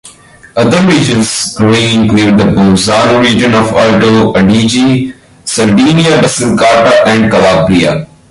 Other regions growing include the Bolzano region of Alto Adige, Sardinia, Basilicata and Calabria.